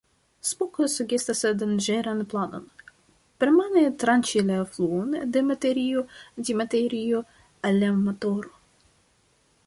Spock sugestas danĝeran planon: permane tranĉi la fluon de materio-antimaterio al la motoro.